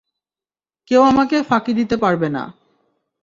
কেউ আমাকে ফাঁকি দিতে পারবে না।